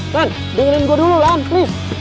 lan dengerin gua dulu lan please